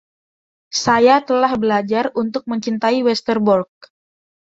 Saya telah belajar untuk mencintai Westerbork.